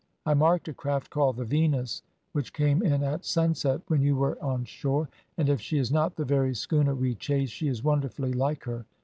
I marked a craft called the Venus which came in at sunset, when you were on shore, and if she is not the very schooner we chased, she is wonderfully like her.